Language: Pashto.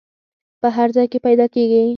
په هر ځای کې پیدا کیږي.